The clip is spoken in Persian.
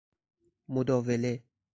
مداوله